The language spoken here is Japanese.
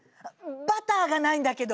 バターがないんだけど。